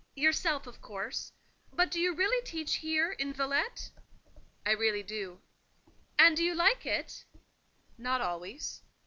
"Yourself, of course. But do you really teach here, in Villette?" "I really do." "And do you like it?" "Not always."